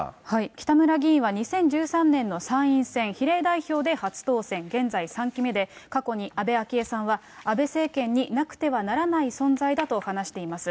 北村議員は２０１３年の参院選比例代表で初当選、現在３期目で、過去に安倍昭恵さんは、安倍政権になくてはならない存在だと話しています。